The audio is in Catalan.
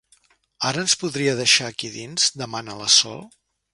Ara ens podria deixar aquí dins? —demana la Sol.